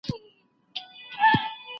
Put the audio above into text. په ډار او تهدید سره څوک عالم نه کېږي.